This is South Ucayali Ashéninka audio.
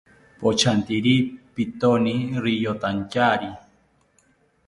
Pochantiri pitoni riyotantyari